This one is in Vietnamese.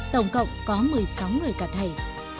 tổng cộng có một mươi sáu người cả thầy